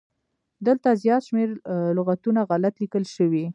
دلته زيات شمېر لغاتونه غلت ليکل شوي